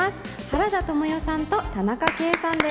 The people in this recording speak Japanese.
原田知世さんと田中圭さんです。